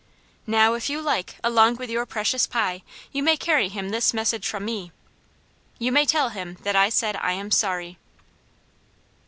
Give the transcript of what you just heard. Now, if you like, along with your precious pie, you may carry him this message from me. You may tell him that I said I am sorry!"